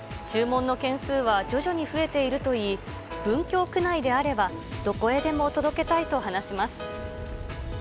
注文の件数は徐々に増えているといい、文京区内であればどこへでも届けたいと話します。